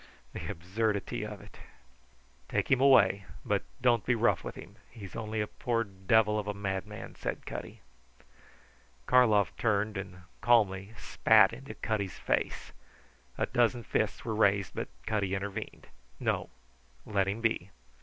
The absurdity of it! "Take him away. But don't be rough with him. He's only a poor devil of a madman," said Cutty. Karlov turned and calmly spat into Cutty's face. A dozen fists were raised, but Cutty intervened. "No! Let him be.